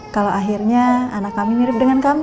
kalau akhirnya anak kami mirip dengan kami